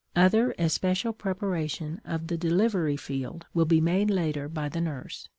Other especial preparation of the delivery field will be made later by the nurse.